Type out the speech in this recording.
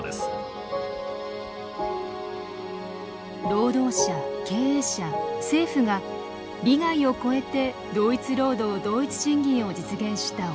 労働者経営者政府が利害を超えて同一労働同一賃金を実現したオランダ。